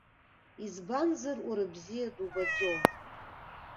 Избанзар, уара бзиа дубаӡом.